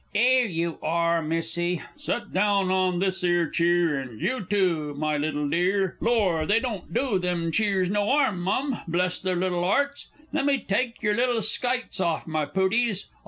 'Ere you are, Missie set down on this 'ere cheer and you, too, my little dear lor, they won't do them cheers no 'arm, Mum, bless their little 'arts! Lemme tyke yer little skites orf, my pooties.